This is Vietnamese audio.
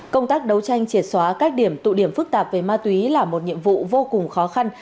công tác đấu tranh triệt xóa các điểm tụ điểm phức tạp về ma túy là một nhiệm vụ vô cùng khó khăn